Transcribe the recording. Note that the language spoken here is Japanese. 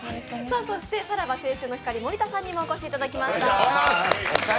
そしてさらば青春の光森田さんにもお越しいただきました。